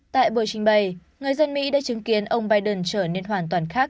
tại buổi trình bày người dân mỹ đã chứng kiến ông biden trở nên hoàn toàn khác